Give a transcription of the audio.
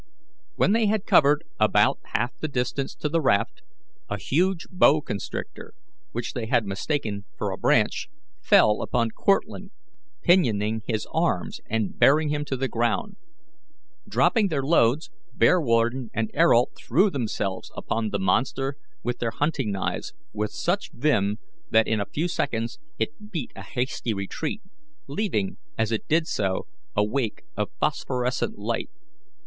When they had covered about half the distance to the raft, a huge boa constrictor, which they had mistaken for a branch, fell upon Cortlandt, pinioning his arms and bearing him to the ground. Dropping their loads, Bearwarden and Ayrault threw themselves upon the monster with their hunting knives with such vim that in a few seconds it beat a hasty retreat, leaving, as it did so, a wake of phosphorescent light.